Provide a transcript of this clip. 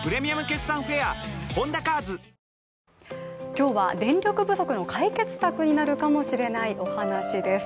今日は電力不足の解決策になるかもしれないお話です。